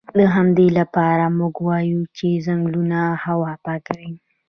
د همدې لپاره موږ وایو چې ځنګلونه هوا پاکوي